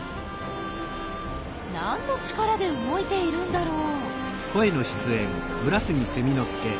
何の力で動いているんだろう？